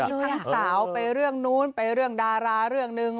มีทั้งสาวไปเรื่องนู้นไปเรื่องดาราเรื่องหนึ่ง